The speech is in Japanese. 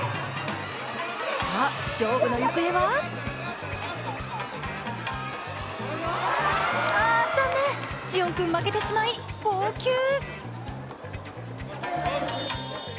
さあ勝負の行方は残念、師園君負けてしまいました。